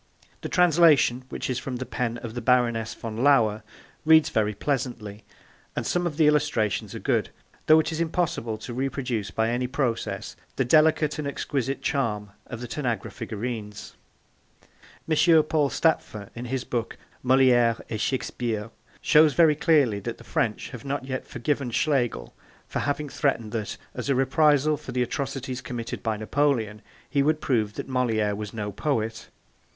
The translation, which is from the pen of the Baroness von Lauer, reads very pleasantly, and some of the illustrations are good, though it is impossible to reproduce by any process the delicate and exquisite charm of the Tanagra figurines. M. Paul Stapfer in his book Moliere et Shakespeare shows very clearly that the French have not yet forgiven Schlegel for having threatened that, as a reprisal for the atrocities committed by Napoleon, he would prove that Moliere was no poet.